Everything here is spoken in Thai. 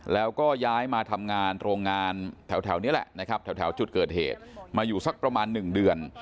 แล้วก็ย้ายมาทำงานโรงงานแถวนี้แหละนะครับแถวจุดเกิดเหตุมาอยู่สักประมาณ๑เดือน